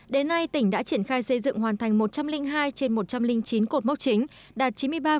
đến nay tỉnh đã triển khai xây dựng hoàn thành một trăm linh hai trên một trăm linh chín cột mốc chính đạt chín mươi ba năm mươi bảy